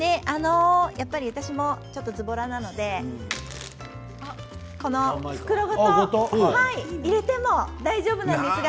やっぱり私もちょっとズボラなのでこの袋ごと入れても大丈夫なんですが。